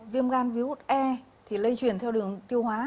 viêm gan virus e thì lây chuyển theo đường tiêu hóa